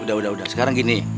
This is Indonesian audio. udah udah sekarang gini